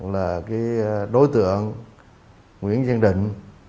là đối tượng nguyễn văn đình